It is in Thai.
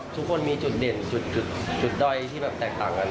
ทุกคนมีจุดเด่นจุดด้อยที่แบบแตกต่างกัน